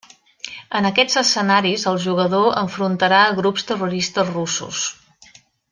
En aquests escenaris el jugador enfrontarà a grups terroristes russos.